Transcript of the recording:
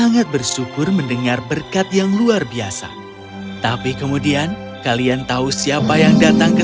sangat bersyukur mendengar berkat yang luar biasa tapi kemudian kalian tahu siapa yang datang ke